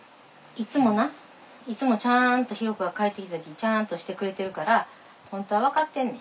いつもないつもちゃんと寛子が帰ってきた時にちゃんとしてくれてるから本当は分かってんねん。